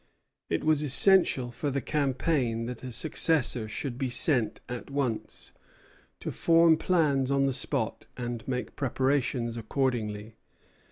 It was essential for the campaign that a successor should be sent at once, to form plans on the spot and make preparations accordingly.